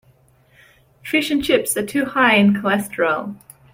Fish and chips are too high in cholesterol.